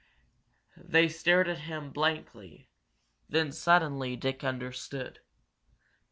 They stared at him blankly. Then, suddenly, Dick understood.